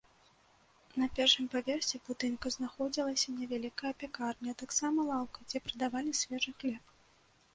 На першым паверсе будынка знаходзілася невялікая пякарня, а таксама лаўка, дзе прадавалі свежы хлеб.